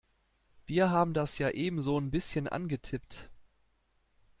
Wir haben das ja eben so'n bisschen angetippt.